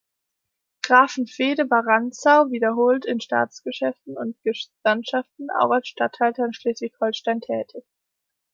Grafenfehde war Rantzau wiederholt in Staatsgeschäften und Gesandtschaften, auch als Statthalter in Schleswig-Holstein tätig.